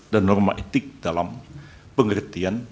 norma etik dalam pengertian